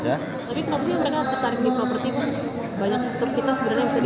banyak sebetulnya kita sebenarnya bisa di properti